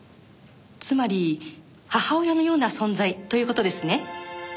つまり母親のような存在という事ですね。